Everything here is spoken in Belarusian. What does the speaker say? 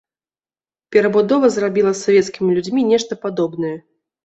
Перабудова зрабіла з савецкімі людзьмі нешта падобнае.